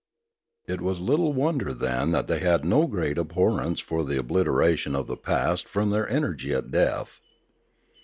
It was little wonder then that they had no great abhorrence for the obliteration of the past from their energy at death.